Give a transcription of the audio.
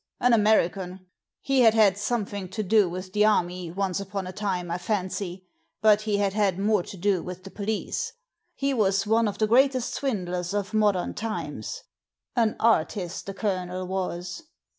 An American. He had had something to do with the army, once upon a time, I fancy; but he had had more to do with the police. He was one of the greatest swindlers of modem times — an artist the Colonel was."